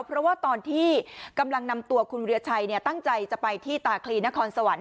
เพราะว่าตอนที่กำลังนำตัวคุณวิริชัยตั้งใจจะไปที่ตาคลีนครสวรรค